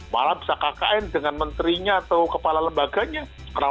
malah bisa kkn dengan menterinya atau kepala lembaganya